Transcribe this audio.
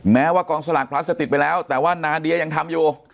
แม้ว่ากองสลากพลัสจะติดไปแล้วแต่ว่านาเดียยังทำอยู่